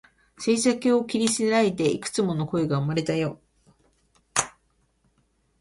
静寂を切り裂いて、幾つも声が生まれたよ